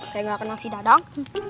kayak gak kena si dadang